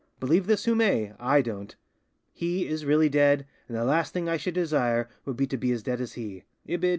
Believe this who may, I don't; he is really dead, and the last thing I should desire would be to be as dead as he",(Ibid.